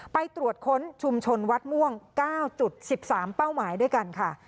ไปตรวจค้นชุมชนวัดม่วง๙๑๓เป้าหมายด้วยกันค่ะ